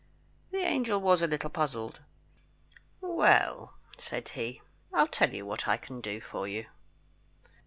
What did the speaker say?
The angel was a little puzzled. "Well," said he, "I'll tell you what I can do for you.